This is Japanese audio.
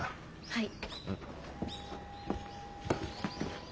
はい。